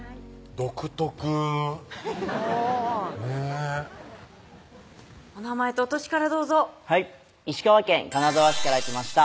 独特おぉねっお名前とお歳からどうぞはい石川県金沢市から来ました